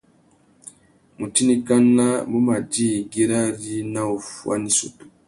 Mutindikana mù mà djï güirari nà uffuá nà issutu.